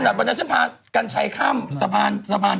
วันนั้นฉันพากัญชัยข้ามสะพาน